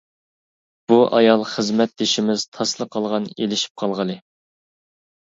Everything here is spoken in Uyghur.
بۇ ئايال خىزمەتدىشىمىز تاسلا قالغان ئىلىشىپ قالغىلى.